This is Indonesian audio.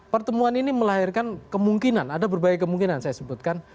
pertemuan ini melahirkan kemungkinan ada berbagai kemungkinan saya sebutkan